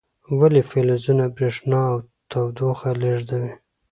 ولې فلزونه برېښنا او تودوخه لیږدوي؟